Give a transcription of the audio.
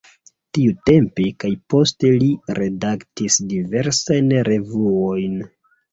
Tiutempe kaj poste li redaktis diversajn revuojn.